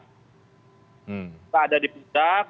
luka ada di pundak